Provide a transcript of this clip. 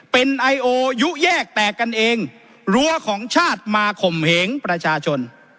เป็นไอโอยุแยกแตกกันเองรั้วของชาติมาข่มเหงประชาชน